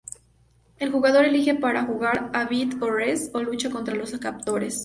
El jugador elige para jugar a Beat o Rest y lucha contra los captores.